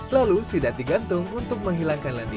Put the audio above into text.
lalu sidat digantung untuk menghilangkan lendil